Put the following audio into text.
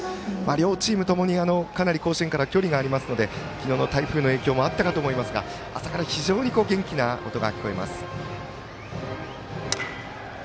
両チームともにかなり甲子園から距離がありますので昨日の台風の影響もあったと思いますが朝から非常に元気な音が聞こえます。